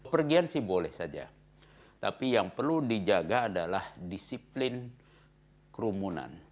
pergian sih boleh saja tapi yang perlu dijaga adalah disiplin kerumunan